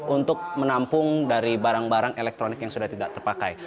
untuk menampung dari barang barang elektronik yang sudah tidak terpakai